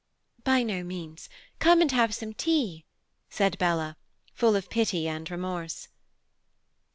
"By no means. Come and have some tea," said Bella, full of pity and remorse.